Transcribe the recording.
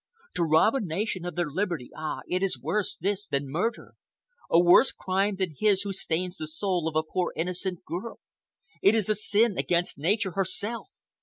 To rob a nation of their liberty, ah! it is worse, this, than murder,—a worse crime than his who stains the soul of a poor innocent girl! It is a sin against nature herself!"